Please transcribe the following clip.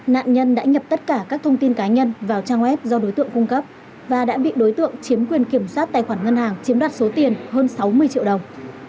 nạn nhân đã nhập tất cả các thông tin cá nhân vào trang web do đối tượng cung cấp và đã bị đối tượng chiếm quyền kiểm soát tài khoản ngân hàng chiếm đoạt số tiền hơn sáu mươi triệu đồng